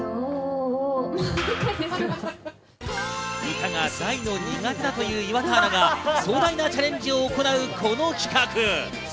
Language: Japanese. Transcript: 歌が大の苦手だという岩田アナが壮大なチャレンジを行うこの企画。